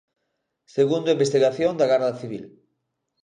Segundo a investigación da Garda Civil.